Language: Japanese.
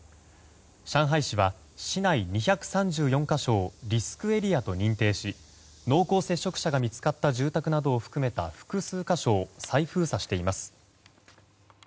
上海市は、市内２３４か所をリスクエリアと認定し濃厚接触者が見つかった住宅などを含めた複数箇所を再封鎖しています。